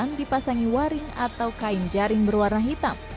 yang dipasangi waring atau kain jaring berwarna hitam